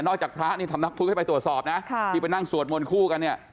จากพระนี่สำนักพุทธให้ไปตรวจสอบนะที่ไปนั่งสวดมนต์คู่กันเนี่ย